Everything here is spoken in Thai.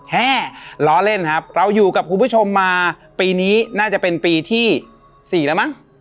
แห้ล้อเล่นครับเราอยู่กับคุณผู้ชมมาปีนี้น่าจะเป็นปีที่๔แล้วมั้ง